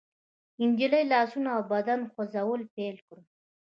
نجلۍ لاسونه او بدن خوځول پيل کړل.